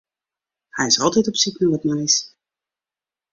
Hy is altyd op syk nei wat nijs.